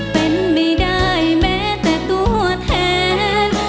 เป็นไม่ได้แม้แต่ตัวแทน